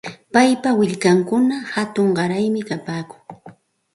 Paypa willkankunam hatun qaraymi kapaakun.